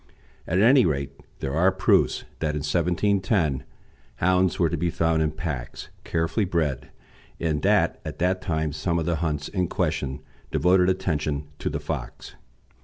At any rate, there are proofs that in 1710 hounds were to be found in packs, carefully bred, and that at that time some of the hunts in question devoted attention to the fox.